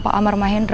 pak ambar mahendra